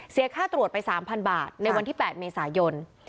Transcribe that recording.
ค่าตรวจไป๓๐๐บาทในวันที่๘เมษายน